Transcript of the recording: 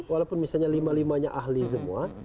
walaupun misalnya lima limanya ahli semua